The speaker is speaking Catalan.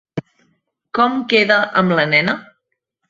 Com queda amb la nena?